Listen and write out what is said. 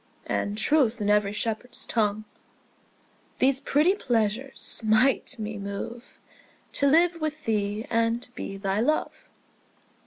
And truth in every shepherd's tongue, These pretty pleasures might me move To live with thee and be thy love.